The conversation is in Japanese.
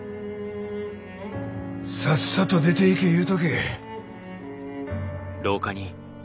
さっさと出ていけ言うとけ。